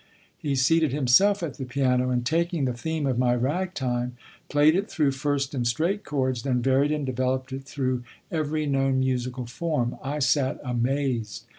He seated himself at the piano, and, taking the theme of my ragtime, played it through first in straight chords; then varied and developed it through every known musical form. I sat amazed.